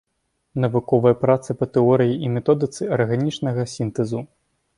Навуковыя працы па тэорыі і методыцы арганічнага сінтэзу.